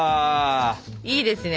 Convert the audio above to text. いいですね。